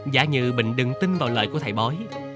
giả như bình đừng tin vào lời của thầy bói